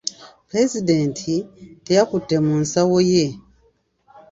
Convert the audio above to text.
Pulezidenti teyakutte mu nsawo ye.